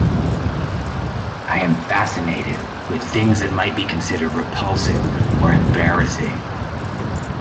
I'm fascinated with things that might be considered repulsive or embarrassing.